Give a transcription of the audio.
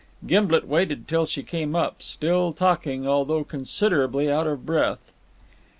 Gimblet waited till she came up, still talking, although considerably out of breath.